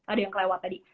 ada yang kelewat tadi